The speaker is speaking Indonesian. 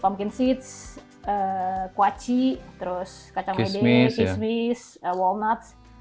pumpkin seeds kuachi terus kacang ade kismis walnuts